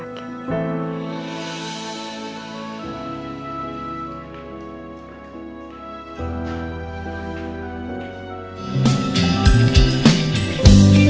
aku beli makanan buat mas lah